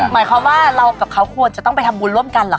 หมายความว่าเรากับเขาควรจะต้องไปทำบุญร่วมกันเหรอค